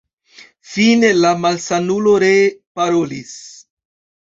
Fine la malsanulo ree parolis: